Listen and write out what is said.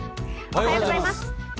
おはようございます。